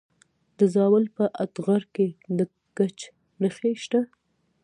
د زابل په اتغر کې د ګچ نښې شته.